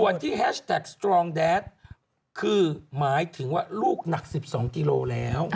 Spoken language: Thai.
ส่วนที่แฮชแท็กสตรองแดดคือหมายถึงว่าลูกหนัก๑๒กิโลแล้ว